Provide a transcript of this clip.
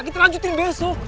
kita lanjutin besok